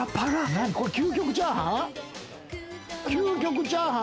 何これ、究極チャーハン？